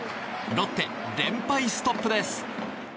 ロッテ、連敗ストップです。